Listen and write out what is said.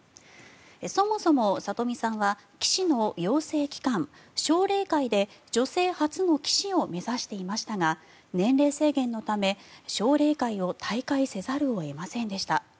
そもそも里見さんは棋士の養成機関、奨励会で女性初の棋士を目指していましたが年齢制限のため奨励会を退会せざるを得ませんでした。